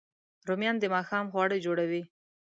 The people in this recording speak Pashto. رومیان د ماښام خواړه جوړوي